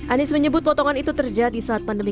anies menyebut potongan itu terjadi saat pandemi